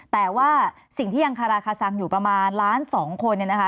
แต่ว่าสิ่งที่ยังคาราคาซังอยู่ประมาณล้านสองคนเนี่ยนะคะ